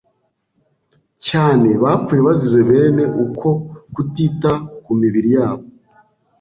cyane bapfuye bazize bene uko kutita ku mibiri yabo